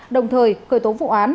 đồng thời khởi tố vụ án